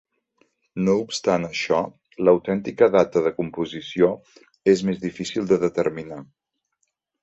No obstant això, l'autèntica data de composició és més difícil de determinar.